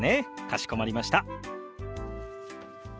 かしこまりました。